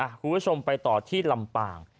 คุณผู้ชมไปต่อที่ลำปาง